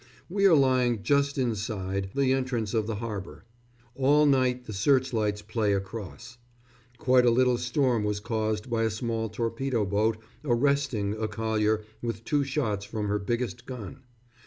We are lying just inside ... the entrance of the harbour. All night the searchlights play across. Quite a little storm was caused by a small torpedo boat "arresting" a collier with two shots from her biggest gun.